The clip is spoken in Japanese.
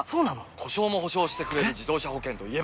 故障も補償してくれる自動車保険といえば？